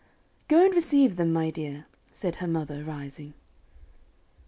"Go and receive them, my dear," said her mother rising.